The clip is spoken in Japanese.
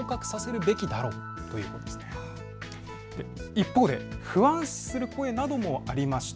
一方で不安視する声などもありました。